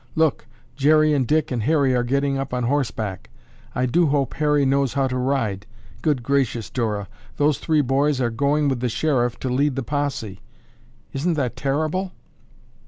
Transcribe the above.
Look, Jerry and Dick and Harry are getting up on horseback. I do hope Harry knows how to ride. Good gracious, Dora, those three boys are going with the sheriff to lead the posse. Isn't that terrible?"